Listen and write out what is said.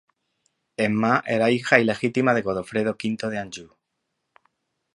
Emma era hija ilegítima de Godofredo V de Anjou.